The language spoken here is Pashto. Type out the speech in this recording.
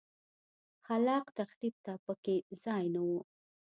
خلاق تخریب ته په کې ځای نه و.